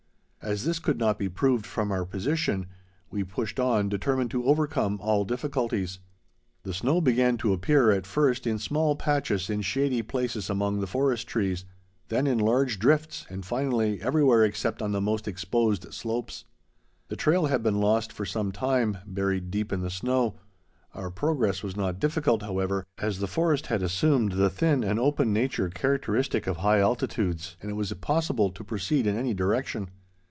As this could not be proved from our position, we pushed on, determined to overcome all difficulties. The snow began to appear, at first, in small patches in shady places among the forest trees, then in large drifts and finally, everywhere except on the most exposed slopes. The trail had been lost for some time, buried deep in the snow. Our progress was not difficult, however, as the forest had assumed the thin and open nature characteristic of high altitudes, and it was possible to proceed in any direction.